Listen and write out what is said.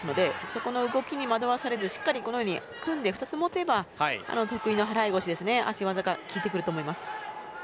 その動きに惑わされず組んで２つ持てば得意な払腰や足技が効いてくると思います。